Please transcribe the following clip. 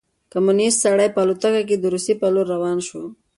کمونیست سړی په الوتکه کې د روسيې په لور روان شو.